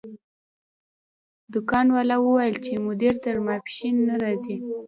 دکان والا وویل چې مدیر تر ماسپښین نه راځي.